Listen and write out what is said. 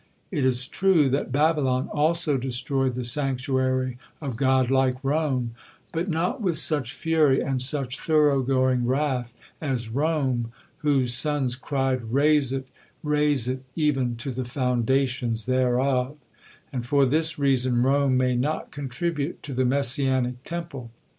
It is true that Babylon also destroyed the sanctuary of God, like Rome, but not with such fury and such thorough going wrath as Rome, whose sons cried: "Raze it, raze it, even to the foundations thereof," and for this reason Rome may not contribute to the Messianic Temple.